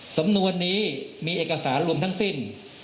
สำนวนนี้มีเอกสารรวมทั้งสิ้น